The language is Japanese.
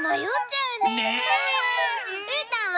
うーたんは？